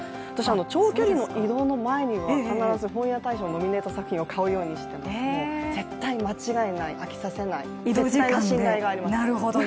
長距離の移動の前は必ず本屋大賞ノミネート作品を買うようにしてるんです、絶対に間違いない、飽きさせない、絶対の信頼があります。